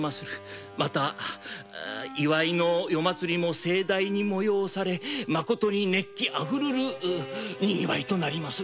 また祝いの夜祭りも盛大で熱気あふれるにぎわいとなります。